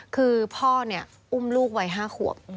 คือพ่ออุ้มลูกไว้ห้าขวบ